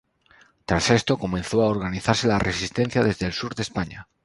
Tras esto, comenzó a organizarse la resistencia desde el sur de España.